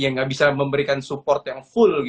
gak bisa memberikan support yang full